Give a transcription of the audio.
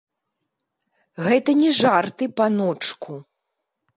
Гэта не жарты, паночку.